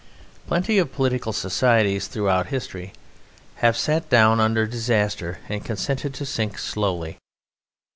Plenty of political societies throughout history have sat down under disaster and consented to sink slowly.